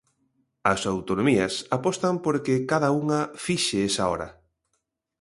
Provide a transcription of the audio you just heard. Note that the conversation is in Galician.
As autonomías apostan porque cada unha fixe esa hora.